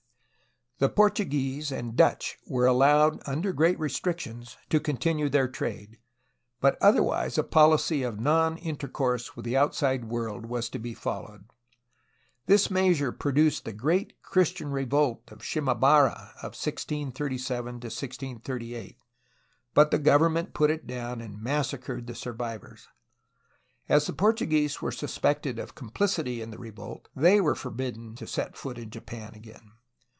The Portuguese and Dutch were allowed under great restrictions to continue their trade, but otherwise a policy of non intercourse with the outside world was to be followed. This measure produced the great Christian revolt of Shima bara of 1637 1638, but the government put it down and massacred the survivors. As the Portuguese were suspected of complicity in the revolt, they were forbidden to set foot in Japan again.